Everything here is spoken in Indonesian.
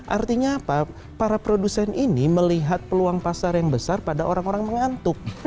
artinya apa para produsen ini melihat peluang pasar yang besar pada orang orang mengantuk